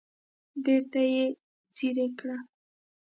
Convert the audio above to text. بیرته یې څیرې کړه.